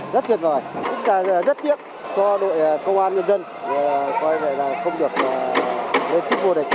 rất tuyệt vời rất tiếc cho đội công an nhân dân không được lên chiếc vô địch